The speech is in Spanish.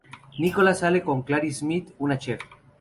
Nicholas sale con Claire Smith, una chef.